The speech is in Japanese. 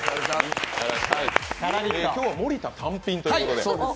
今日は森田単品ということで。